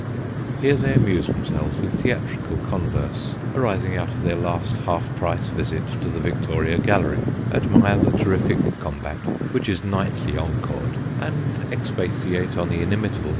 Here they amuse themselves with theatrical converse, arising out of their last half price visit to the Victoria gallery, admire the terrific combat, which is nightly encored, and expatiate on the inimitabJe 42 Sketches by Boz.